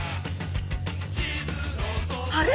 あれ？